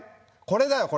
これだよ